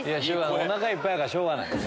おなかいっぱいやからしょうがない。